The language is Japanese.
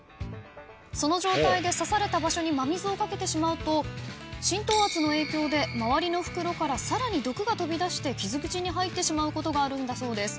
その状態で刺された場所に真水をかけてしまうと浸透圧の影響で周りの袋からさらに毒が飛び出して傷口に入ってしまうことがあるんだそうです。